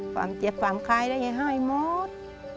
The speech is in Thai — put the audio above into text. ความเจ็บความคลายแล้วยายให้หมด